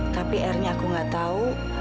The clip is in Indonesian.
tapi r nya aku gak tau